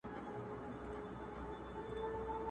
د چا له کوره وشړمه سیوری د شیطان!